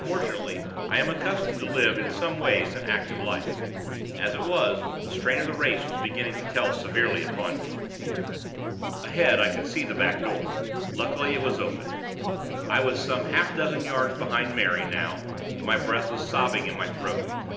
Fortunately, I am accustomed to live, in some ways, an active life. As it was, the strain of the race was beginning to tell severely upon me. Ahead, I could see the back door luckily it was open. I was some half dozen yards behind Mary, now, and my breath was sobbing in my throat.